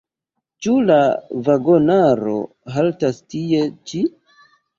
Ĉu la vagonaro haltas tie ĉi?